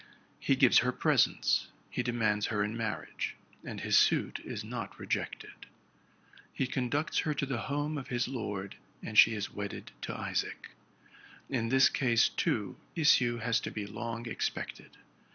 He gives her presents, he demands her in marriage, and his suit is not rejected. He conducts her to the home of his lord, and she is wedded to Isaac. In this case, too, issue has to be long expected.